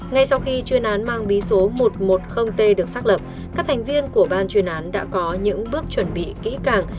ngay sau khi chuyên án mang bí số một trăm một mươi t được xác lập các thành viên của ban chuyên án đã có những bước chuẩn bị kỹ càng